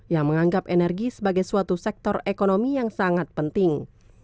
yang menganggap energi sebagai suatu sektor ekonomi yang sangat penting